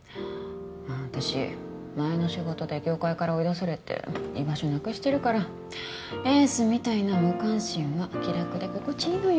私前の仕事で業界から追い出されて居場所なくしてるからエースみたいな無関心は気楽で心地いいのよ